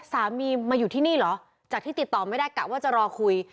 สามีมาอยู่ที่นี่เหรอจากที่ติดต่อไม่ได้กะว่าจะรอคุย